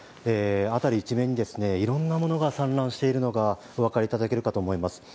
辺り一面にいろんなものが散乱しているのがお分かりいただけるかと思います。